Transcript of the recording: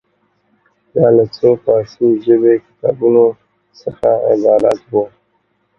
دا له څو فارسي ژبې کتابونو څخه عبارت وه.